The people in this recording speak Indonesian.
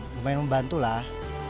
nah lumayan membantu lah